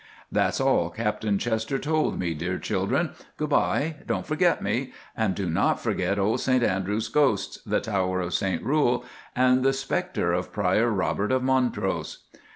"That's all Captain Chester told me, dear children. Goodbye, don't forget me, and do not forget old St Andrews Ghosts, the Tower of St Rule, and the Spectre of Prior Robert of Montrose."